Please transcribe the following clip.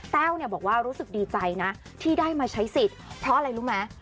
แต้วบอกว่ารู้สึกดีใจนะที่ได้มาใช้สิทธิ์เพราะอะไรรู้ไหม